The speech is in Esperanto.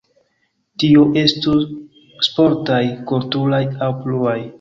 Tio estu sportaj, kulturaj aŭ pluaj.